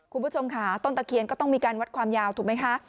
คุณผู้ชมค่ะต้นตะเคียนก็ต้องมีการวัดความยาวถูกไหมคะ